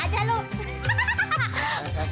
ini channel berapa sih titi